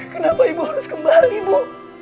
kenapa ibu harus kembali bu